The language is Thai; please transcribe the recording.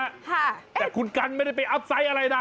ค่ะแต่คุณกันไม่ได้ไปอัพไซต์อะไรนะ